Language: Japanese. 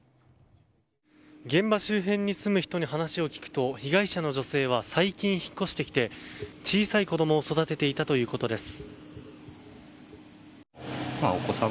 現場周辺に住む人に話を聞くと被害者の女性は最近、引っ越してきて小さい子供を育てていたということです。